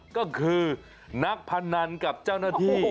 ก็คือนักพนันกับเจ้าหน้าที่